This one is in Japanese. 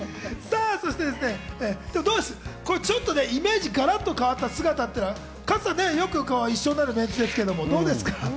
ちょっとイメージ、ガラッと変わった姿っていうのは加藤さん、よく一緒になるメンツですけど、どうですか？